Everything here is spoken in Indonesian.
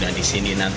proaktif itu pak